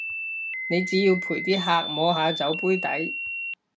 你只要陪啲客摸下酒杯底